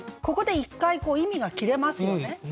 ここで一回意味が切れますよね。